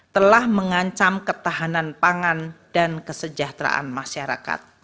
telah mengancam ketahanan pangan dan kesejahteraan masyarakat